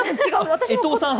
江藤さん